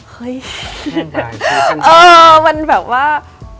เฮ้ยเออมันแบบว่า